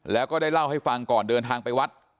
แล้วก็ได้เล่าให้ฟังก่อนเดินทางไปวัด